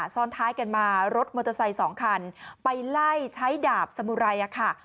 ซ้อนท้ายกันมารถมอเตอร์ไซค์สองคันไปไล่ใช้ดาบสมุไรค่ะ